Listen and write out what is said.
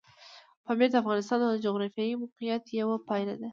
پامیر د افغانستان د جغرافیایي موقیعت یوه پایله ده.